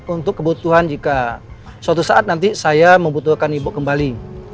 untuk kebutuhan jika suatu saat nanti saya membutuhkan ibu kembali